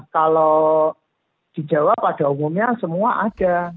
kalau di jawa pada umumnya semua ada